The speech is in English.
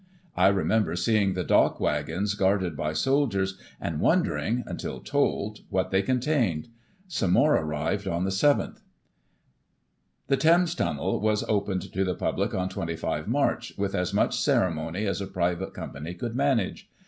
I remember seeing the dock wagons guarded by soldiers, and wondering, Digiti ized by Google 1843] AIR SHIP. 211 until told, what they contained Some more arrived on the 7th. The Thames Tunnel was opened to the public on 25 March, with as much ceremony as a private company could manage.